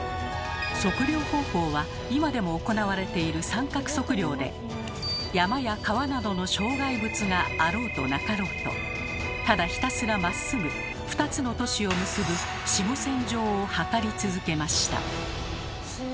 測量方法は今でも行われている三角測量で山や川などの障害物があろうとなかろうとただひたすらまっすぐ２つの都市を結ぶ子午線上を測り続けました。